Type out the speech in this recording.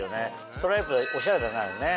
ストライプおしゃれだねあれね。